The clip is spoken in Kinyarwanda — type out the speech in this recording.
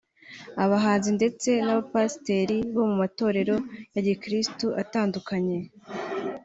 abahanzi ndetse n'abapasiteri bo mu matorero ya Gikristo atandukanye